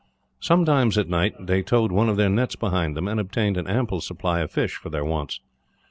Sometimes at night they towed one of their nets behind them, and obtained an ample supply of fish for their wants.